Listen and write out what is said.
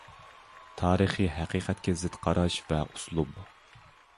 تارىخىي ھەقىقەتكە زىت قاراش ۋە ئۇسلۇب.